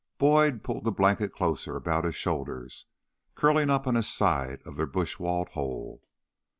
Boyd pulled the blanket closer about his shoulders, curling up on his side of their bush walled hole.